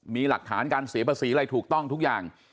มีหลักฐานการเสียภาษีอะไรถูกต้องทุกอย่าง